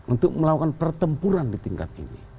untuk melakukan pertempuran di tingkat ini